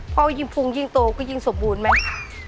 พอวิ่งภูมิยิ่งโตก็ยิ่งสมบูรณ์แม่ค่ะ